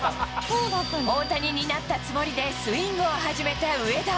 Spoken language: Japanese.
大谷になったつもりでスイングを始めた上田。